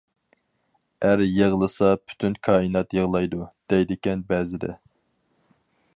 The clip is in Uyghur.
«ئەر يىغلىسا پۈتۈن كائىنات يىغلايدۇ» دەيدىكەن بەزىدە.